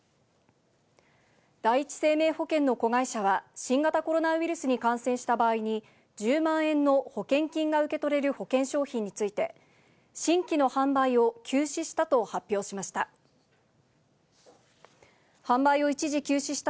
第一生命保険の子会社は、新型コロナウイルスに感染した場合に、１０万円の保険金が受け取れる保険商品について、新規の販売を休止したと発表しました。